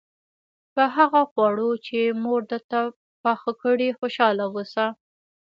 په هغه خواړو چې مور درته پاخه کړي خوشاله اوسه.